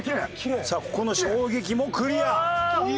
さあここの衝撃もクリア。